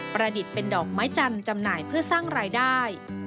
ประดิษฐ์เป็นดอกไม้จันทร์จำหน่ายเพื่อสร้างรายได้